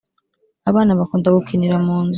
Abana bakunda gukinira munzu